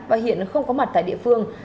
và hiện không có mặt tại địa phương